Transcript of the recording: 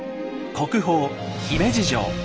国宝姫路城。